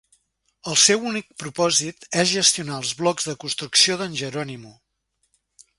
El seu únic propòsit és gestionar els blocs de construcció d'en Geronimo.